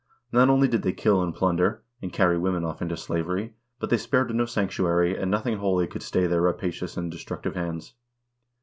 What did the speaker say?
Not only did they kill and plunder, and carry women off into slavery, but they spared no sanctuary, and nothing holy could stay their rapacious and destructive hands.